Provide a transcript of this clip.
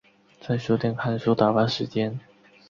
在书店看书打发时间